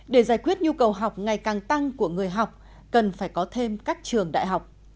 để giải quyết nhu cầu học ngày càng tăng của người học cần phải có thêm các trường đại học